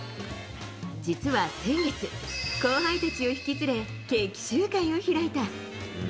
実は先月、後輩たちを引き連れ、決起集会を開いた。